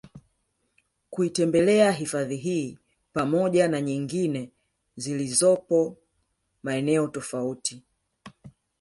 kuitembelea hifadhi hii pamoja na nyingine ziolizopo maeneo tofauti